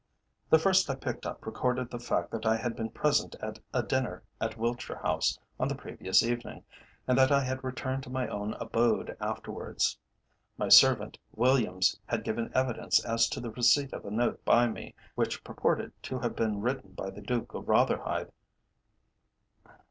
The first I picked up recorded the fact that I had been present at a dinner at Wiltshire House, on the previous evening, and that I had returned to my own abode afterwards. My servant, Williams, had given evidence as to the receipt of a note by me, which purported to have been written by the Duke of Rotherhithe.